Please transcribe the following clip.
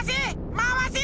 まわせ！